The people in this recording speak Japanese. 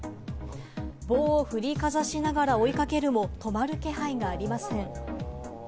棒をふりかざしながら追いかけるも、止まる気配がありません。